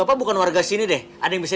wah bonenkan your age